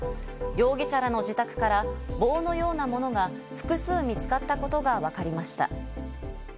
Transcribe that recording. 容疑者らの自宅から棒のようなものが複数見つかったことがわかりました。